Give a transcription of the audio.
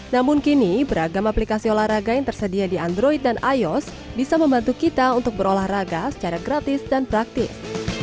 namun kini beragam aplikasi olahraga yang tersedia di android dan ios bisa membantu kita untuk berolahraga secara gratis dan praktis